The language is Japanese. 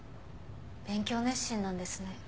勉強熱心なんですね。